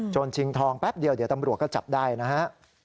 ชิงทองแป๊บเดียวเดี๋ยวตำรวจก็จับได้นะฮะ